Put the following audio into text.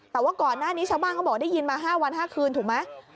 แต่ว่าก่อนหน้านี้ชาวบ้านเขาบอกได้ยินมา๕วัน๕คืนถูกไหม